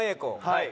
はい。